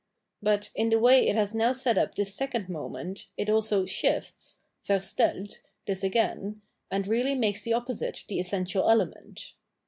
But, in the way it has now set up this second moment, it also " shifts " {verstelU) this again, and really makes the opposite the essential element.